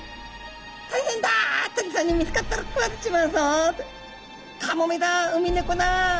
大変だ鳥さんに見つかったら食われちまうぞっとカモメだウミネコだ。